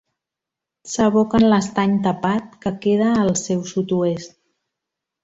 S'aboca en l'Estany Tapat, que queda al seu sud-oest.